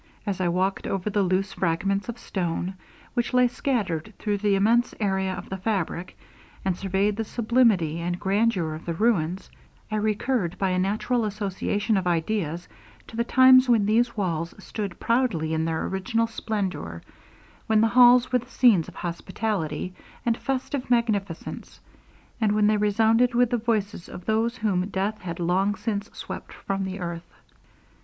As I walked over the loose fragments of stone, which lay scattered through the immense area of the fabrick, and surveyed the sublimity and grandeur of the ruins, I recurred, by a natural association of ideas, to the times when these walls stood proudly in their original splendour, when the halls were the scenes of hospitality and festive magnificence, and when they resounded with the voices of those whom death had long since swept from the earth.